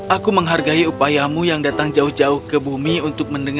aku menghargai upayamu yang datang jauh jauh ke bumi untuk mendengar